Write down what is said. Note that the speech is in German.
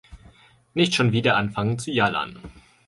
Nicht schon wieder anfangen zu jallern.